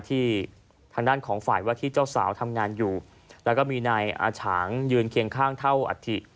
ที่ทางด้านของฝ่ายว่าที่เจ้าสาวทำงานอยู่แล้วก็มีนายอาฉางยืนเคียงข้างเท่าอัฐิ